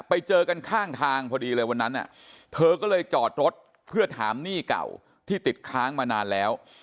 ไปเจอกันข้างทางพอดีเลยวันนั้นเธอก็เลยจอดรถเพื่อถามหนี้เก่าที่ติดค้างมานานแล้ว